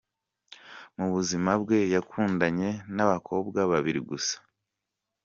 Mu buzima bwe yakundanye n’abakobwa babiri gusa.